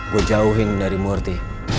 gua jauhin dari murthy